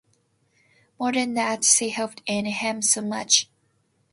More than that, she hoped in him so much.